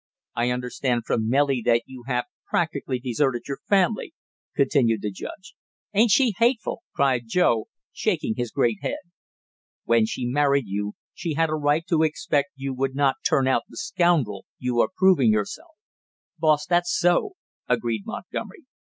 "I understand from Nellie that you have practically deserted your family," continued the judge. "Ain't she hateful?" cried Joe, shaking his great head. "When she married you, she had a right to expect you would not turn out the scoundrel you are proving yourself." "Boss, that's so," agreed Montgomery.